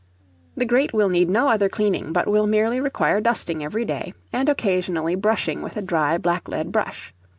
The grate will need no other cleaning, but will merely require dusting every day, and occasionally brushing with a dry black lead brush.